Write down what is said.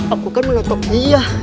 aku kan meletup dia